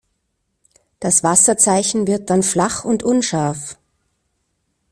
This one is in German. Das Wasserzeichen wird dann flach und unscharf.